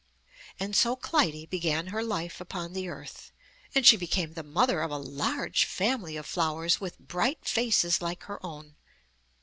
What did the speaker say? And so Clytie began her life upon the earth, and she became the mother of a large family of flowers with bright faces like her own.